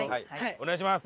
お願いします。